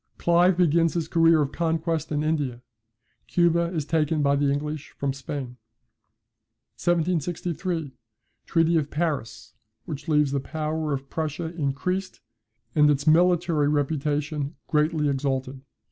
Clive begins his career of conquest in India. Cuba, is taken by the English from Spain. 1763. Treaty of Paris: which leaves the power of Prussia increased, and its military reputation greatly exalted.